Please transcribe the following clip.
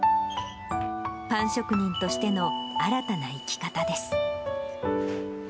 パン職人としての新たな生き方です。